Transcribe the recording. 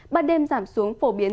ban đêm giảm xuống phổ biến